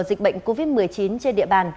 dịch bệnh covid một mươi chín trên địa bàn